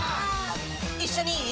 一緒にいい？